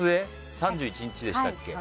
３１日でしたっけ。